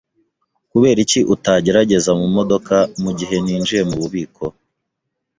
Kuberiki utategereza mumodoka mugihe ninjiye mububiko?